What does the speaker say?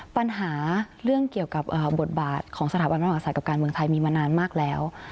ปัญหาเรื่องเกี่ยวกับบทบาทของสถาบันพระมหาศัตริย์กับการเมืองไทยมีมานานมากแล้ว